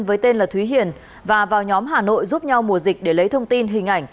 với tên là thúy hiền và vào nhóm hà nội giúp nhau mùa dịch để lấy thông tin hình ảnh